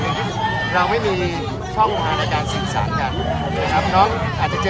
เราไม่มีช่องของหาราชาศิกษานะครับน้องน้องอาจจะเจอ